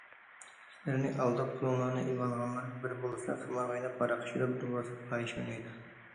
‹‹ سىلەرنى ئالداپ پۇلۇڭلارنى ئېلىۋالغانلار بىر بولسا قىمار ئويناپ، ھاراق ئىچىدۇ، بىر بولسا پاھىشە ئوينايدۇ››.